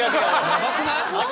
ヤバくない？